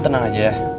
om tenang aja ya